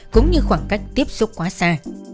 cũng như khoảng cách tiếp xúc quá xa